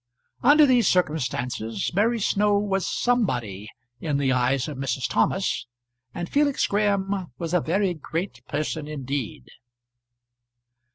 Under these circumstances Mary Snow was somebody in the eyes of Mrs. Thomas, and Felix Graham was a very great person indeed.